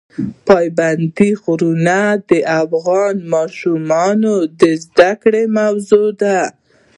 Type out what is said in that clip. پابندی غرونه د افغان ماشومانو د زده کړې موضوع ده.